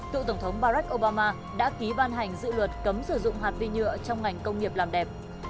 cựu tổng thống barack obama đã ký ban hành dự luật cấm sử dụng hạt vi nhựa trong ngành công nghiệp làm đẹp